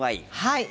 はい。